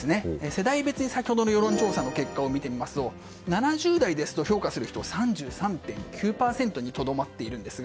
世代別に先ほどの世論調査の結果を見てみますと７０代ですと評価が３３．９％にとどまります。